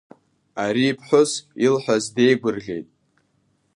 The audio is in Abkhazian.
Ари иԥҳәыс илҳәаз деигәырӷьеит.